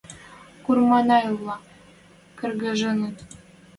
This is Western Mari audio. Курманайвлӓ кыргыжыныт.